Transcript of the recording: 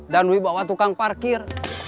dan wibawa tukang parkir